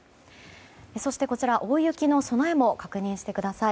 そして、こちら大雪の備えも確認してください。